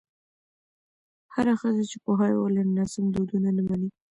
هره ښځه چې پوهاوی ولري، ناسم دودونه نه مني.